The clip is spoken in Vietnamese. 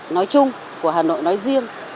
nói chung của hà nội nói riêng